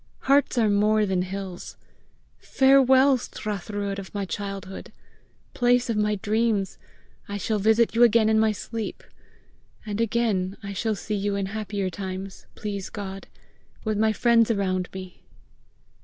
Hearts are more than hills. Farewell Strathruadh of my childhood! Place of my dreams, I shall visit you again in my sleep! And again I shall see you in happier times, please God, with my friends around me!"